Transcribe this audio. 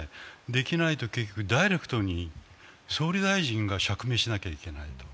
できないと結局、ダイレクトに総理大臣が釈明しなきゃいけない。